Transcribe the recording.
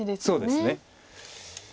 そうですね。